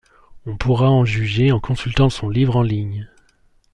On pourra en juger en consultant son livre en ligne.